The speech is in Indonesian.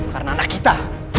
karena anak kita